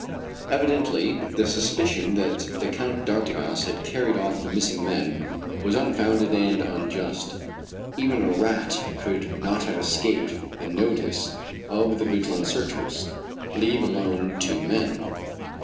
Evidently the suspicion that the Count d'Artigas had carried off the missing men was unfounded and unjust. Even a rat could not have escaped the notice of the vigilant searchers, leave alone two men.